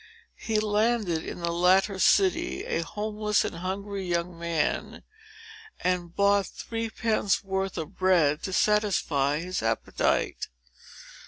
He landed in the latter city, a homeless and hungry young man, and bought three pence worth of bread to satisfy his appetite.